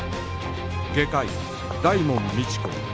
外科医大門未知子